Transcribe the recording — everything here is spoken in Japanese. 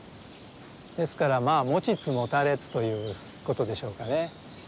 ですからまあ持ちつ持たれつということでしょうかね。